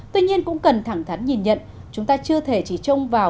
tuy nhiên cũng cần thẳng thắn nhìn nhận chúng ta chưa thể chỉ trông vào